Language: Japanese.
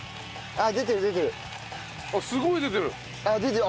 あっすごい出てる。